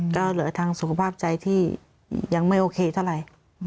ก็เหลือทางสุขภาพใจที่ยังไม่โอเคเท่าไหร่